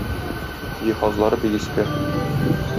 Җиһазлары бик иске.